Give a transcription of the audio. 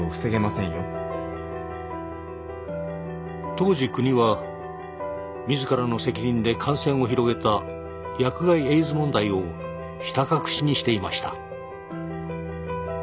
当時国は自らの責任で感染を広げた薬害エイズ問題をひた隠しにしていました。